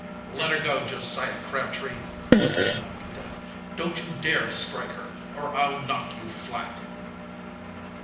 "Let her go, Josiah Crabtree!" ordered the young cadet. "Don't you dare to strike her, or I'll knock you flat!"